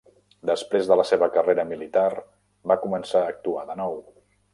Després de la seva carrera militar va començar a actuar de nou.